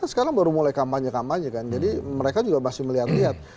sekarang baru mulai kampanye kampanye kan jadi mereka juga masih melihat lihat